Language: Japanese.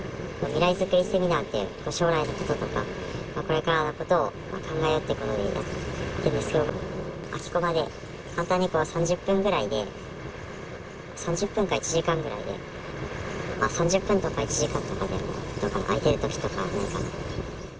未来作りセミナーって、将来のこととか、これからのことを考えようってことでやってるんですけど、空きコマで、簡単にこう３０分ぐらいで、３０分か１時間ぐらいで、３０分とか１時間とかでも、どうかな、空いてるときとか。